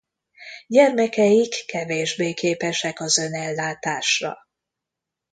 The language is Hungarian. Gyermekeik kevésbé képesek az önellátásra.